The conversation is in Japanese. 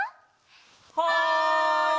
はい！